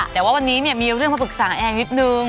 แต่ว่าวันนี้เนี่ยมีเรื่องมาปรึกษาแอร์นิดนึง